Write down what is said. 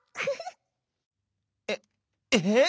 えっええっ！？